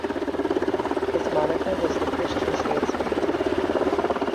His moniker was the Christian Statesman.